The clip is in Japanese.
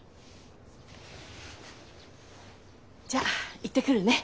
じゃあ行ってくるね。